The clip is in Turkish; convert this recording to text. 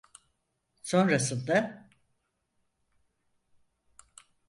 Sonrasında…